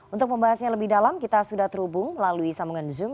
untuk membahasnya lebih dalam kita sudah terhubung melalui sambungan zoom